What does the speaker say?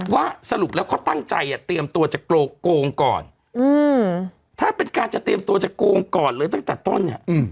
ว่าสรุปแล้วเขาตั้งใจเตรียมตัวจะโกงก่อนถ้าเป็นการจะเตรียมตัวจะโกงก่อนเลยตั้งแต่ต้นเนี่ย